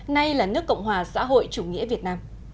nay là nước cộng hòa xã hội chủ nghĩa việt nam